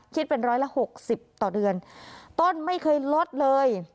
คิดเป็นร้อยละหกสิบต่อเดือนต้นไม่เคยลดเลย